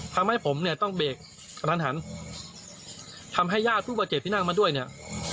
ทำให้ผมเนี่ยต้องเบรกกระทันหันทำให้ญาติผู้บาดเจ็บที่นั่งมาด้วยเนี่ย